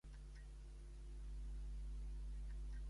Su cuerpo fue enterrado en la Cripta del Alcázar de Toledo.